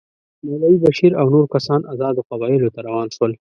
مولوي بشیر او نور کسان آزادو قبایلو ته روان شول.